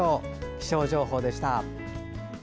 気象情報でした。